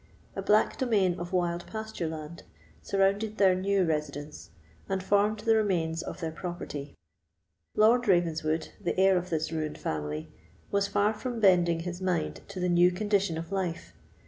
A black domain of wild pasture land surrounded their new residence, and formed the remains of their property. Lord Ravenswood, the heir of this ruined family, was far from bending his mind to his new condition of life.